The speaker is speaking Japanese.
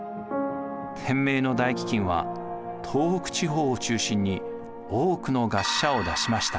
天明の大飢饉は東北地方を中心に多くの餓死者を出しました。